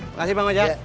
makasih bang wajah